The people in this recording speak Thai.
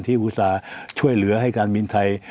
อุตส่าห์ช่วยเหลือให้การบินไทย